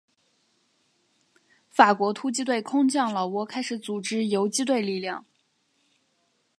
法国突击队空降老挝开始组织游击队力量。